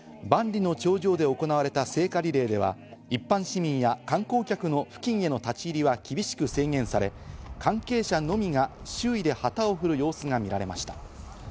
万里の長城で行われた聖火リレーでは一般市民や観光客の付近への立ち入りは厳しく制限され、関係者のみが周囲で旗を振る様子が見られました。